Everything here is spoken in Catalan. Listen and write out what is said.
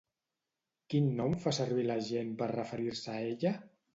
Quin nom fa servir la gent per referir-se a ella?